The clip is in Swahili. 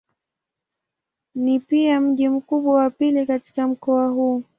Ni pia mji mkubwa wa pili katika mkoa huu.